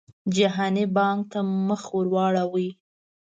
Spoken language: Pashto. جهاني بانک ته مخ ورواړوي.